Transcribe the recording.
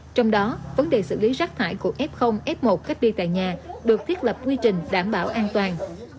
trong đó vấn đề xử lý rác thải của f f một cách đi tại nhà được thiết lập quy trình đảm bảo an toàn